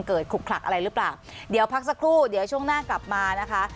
ขลุกขลักอะไรหรือเปล่าเดี๋ยวพักสักครู่เดี๋ยวช่วงหน้ากลับมานะคะ